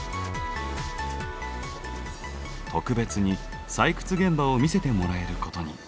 特別に採掘現場を見せてもらえることに。